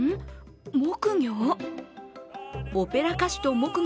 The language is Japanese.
木魚？